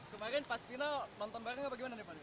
kemarin pas final nonton barengnya bagaimana pak